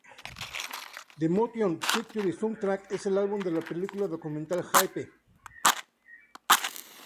The Motion Picture Soundtrack es el álbum de la película documental "Hype!